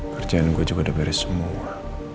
kerjaan gue juga udah beres semua